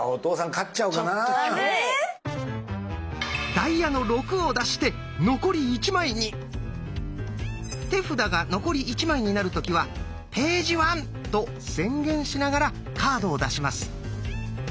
ダイヤの「６」を出して手札が残り１枚になる時は「ページワン」と宣言しながらカードを出します。